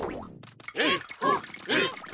えっほえっほ